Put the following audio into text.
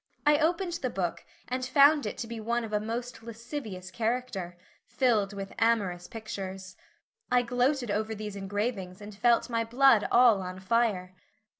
I opened the book and found it to be one of a most lascivious character, filled with amorous pictures. I gloated over these engravings and felt my blood all on fire.